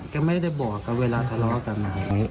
แกไม่ได้บอกกับเวลาทะเลาะกันมา